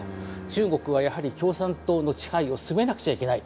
中国はやはり共産党の支配を進めなくちゃいけない。